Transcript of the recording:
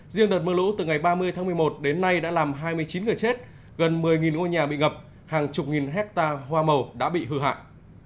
riêng đợt mưa lũ từ ngày ba mươi tháng một mươi một đến nay đã làm hai mươi chín người chết gần một mươi ngôi nhà bị ngập hàng chục nghìn hectare hoa màu đã bị hư hại